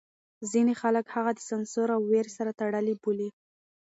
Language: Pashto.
ځینې خلک هغه د سانسور او وېرې سره تړلی بولي.